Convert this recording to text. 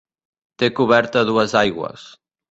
Té coberta a dues aigües.